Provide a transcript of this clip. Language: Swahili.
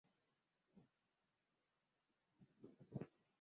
iliyoshiriki michuano ya kombe la mataifa ya afrika